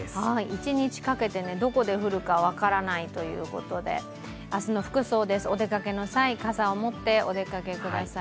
１日かけてどこで降るかわからないということで明日の服装です、お出かけの際傘を持ってお出かけください。